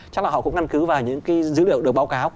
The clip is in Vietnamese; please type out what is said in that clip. chắc là họ cũng căn cứ vào những cái dữ liệu được báo cáo